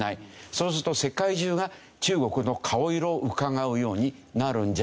そうすると世界中が中国の顔色をうかがうようになるんじゃないか。